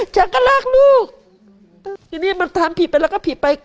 ฉันก็รักลูกทีนี้มันทำผิดไปแล้วก็ผิดไป